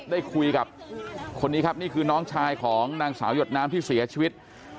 ได้คุยกับคนนี้ครับนี่คือน้องชายของนางสาวหยดน้ำที่เสียชีวิต